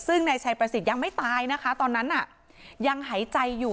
ซึ่งนายชัยประสิทธิ์ยังไม่ตายนะคะตอนนั้นยังหายใจอยู่